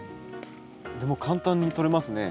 でも簡単に取れますね。